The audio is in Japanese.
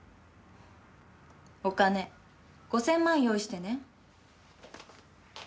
お金５０００万用意してね。